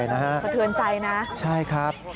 ประเทินใจนะครับใช่ครับ